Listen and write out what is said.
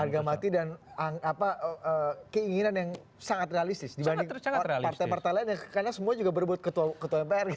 harga mati dan keinginan yang sangat realistis dibandingkan partai partai lain karena semua juga berbuat ketua mpr gitu kan